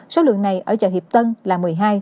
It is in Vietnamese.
số lượng này ở chợ hiệp tân là một mươi hai